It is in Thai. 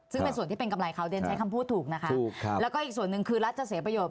ซึ่งเป็นส่วนที่เป็นกำไรเขาเรียนใช้คำพูดถูกนะคะแล้วก็อีกส่วนหนึ่งคือรัฐจะเสียประโยชน